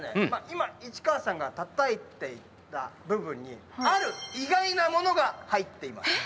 今市川さんがたたいていた部分にある意外なものが入っています。